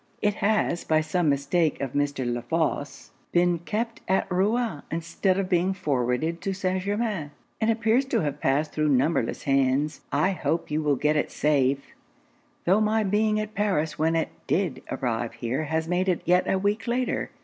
It has, by some mistake of Mr. La Fosse, been kept at Rouen instead of being forwarded to St. Germains; and appears to have passed thro' numberless hands. I hope you will get it safe; tho' my being at Paris when it did arrive here has made it yet a week later.